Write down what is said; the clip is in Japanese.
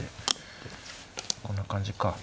こんな感じか。